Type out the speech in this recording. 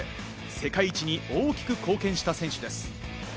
世界一に大きく貢献した選手です。